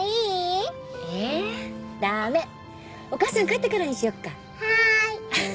ダメお母さん帰ってからにしよっかはーい！